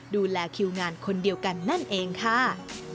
ดูแลคิวงานคนเดียวกันนั่นเองค่ะ